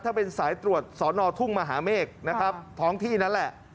ถ้าเป็นสายตรวจสอนอทุ่งมหาเมฆนะครับท้องที่นั่นแหละ